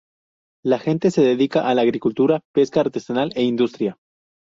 La gente se dedica a la agricultura, pesca artesanal e industria.